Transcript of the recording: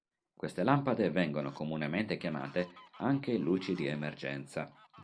Queste lampade vengono comunemente chiamate anche luci di emergenza.